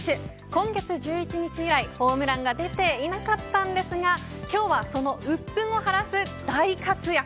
今月１１日以来ホームランが出てなかったんですが今日はその鬱憤を晴らす大活躍。